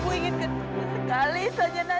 ibu ingin ketemu sekali saja nak